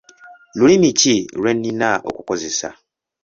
Lulimi ki lwe nnina okukozesa?